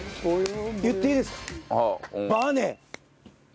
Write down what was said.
言っていいですか？